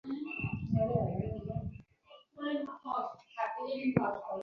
কিন্তু সন্ধ্যা হইলে সে বিশ্বাস রাখিতে পারিতাম না।